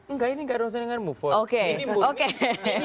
enggak ini enggak ada masalah dengan move on